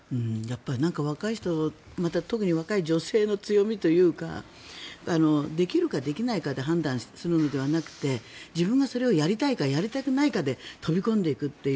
若い人特に若い女性の強みというかできるかできないかで判断するのではなくて自分がそれをやりたいかやりたくないかで飛び込んでいくっていう